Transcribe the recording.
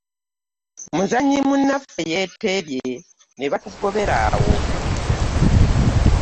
Muzannyi munnaffe yeeteebye ne batugobera awo.